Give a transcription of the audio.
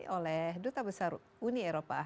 oleh duta besar uni eropa